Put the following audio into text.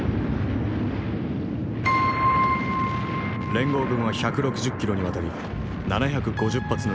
連合軍は１６０キロにわたり７５０発の地雷を爆発させた。